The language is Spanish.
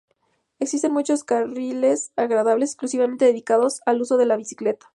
Existen muchos carriles agradables exclusivamente dedicados al uso de la bicicleta.